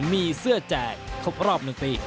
มีเสื้อแจกครบรอบ๑ปี